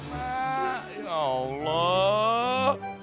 mak ya allah